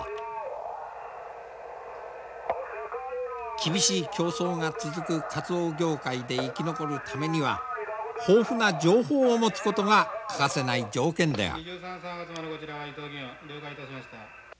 厳しい競争が続くカツオ業界で生き残るためには豊富な情報を持つことが欠かせない条件である。